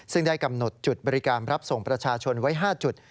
ซึ่งได้กำหนดจุดบริการรับส่งประชาชนไว้๕จุด